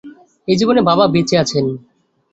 এই জীবনে বাবা বেঁচে আছেন।